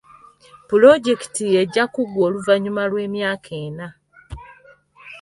Pulojekiti ejja kuggwa oluvannyuma lw'emyaka ena.